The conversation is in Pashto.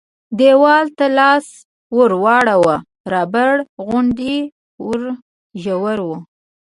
دیوال ته لاس ور ووړ رابر غوندې و ژور و.